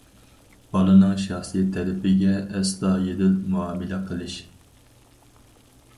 بالىنىڭ شەخسىي تەلىپىگە ئەستايىدىل مۇئامىلە قىلىش.